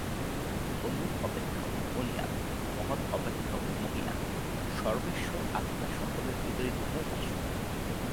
অণু অপেক্ষাও অণীয়ান, মহৎ অপেক্ষাও মহীয়ান সর্বেশ্বর আত্মা সকলের হৃদয়-গুহায় বাস করেন।